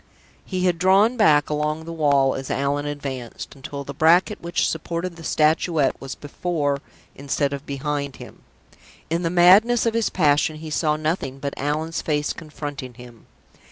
He had drawn back along the wall as Allan advanced, until the bracket which supported the Statuette was before instead of behind him. In the madness of his passion he saw nothing but Allan's face confronting him.